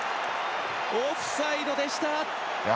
オフサイドでした！